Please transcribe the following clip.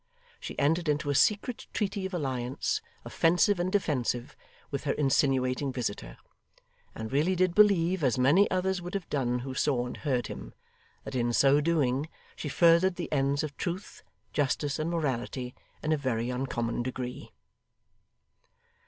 She entered into a secret treaty of alliance, offensive and defensive, with her insinuating visitor; and really did believe, as many others would have done who saw and heard him, that in so doing she furthered the ends of truth, justice, and morality, in a very uncommon degree.